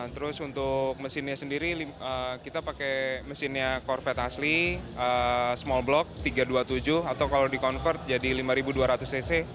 terus untuk mesinnya sendiri kita pakai mesinnya corvet asli small block tiga ratus dua puluh tujuh atau kalau di convert jadi lima dua ratus cc